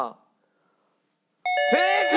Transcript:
正解！